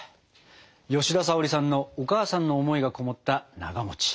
吉田沙保里さんのお母さんの思いがこもったなが。